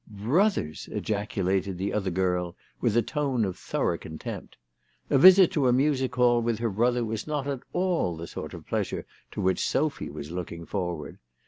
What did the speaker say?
" Brothers !" ejaculated the other girl with a tone of thorough contempt. A visit to a Music Hall with her brother was not at all the sort of pleasure to which Sophy was looking forward.